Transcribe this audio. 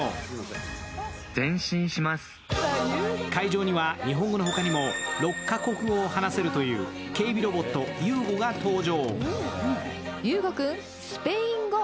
会場には日本語の他にも６カ国語が話せるという警備ロボットｕｇｏが登場。